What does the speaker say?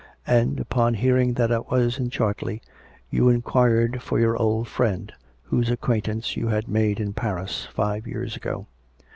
And, upon hearing that I was in Chartlcy, you inquired for your old friend, whose acquaintance you had made in Paris, five years ago.